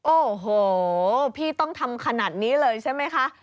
โอ้โหพี่ต้องทำขนาดนี้เลยใช่ไหมคะ